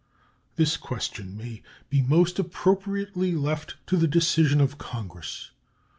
This question may be most appropriately left to the decision of Congress.